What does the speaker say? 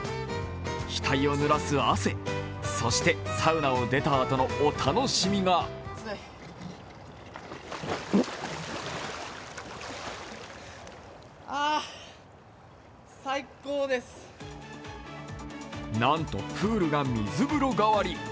額を濡らす汗、そしてサウナを出たあとのお楽しみがなんとプールが水風呂代わり。